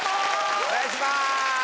お願いします！